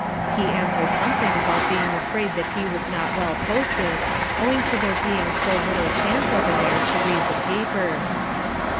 He answered something about being afraid that he was not well posted, owing to there being so little chance over there to read the papers.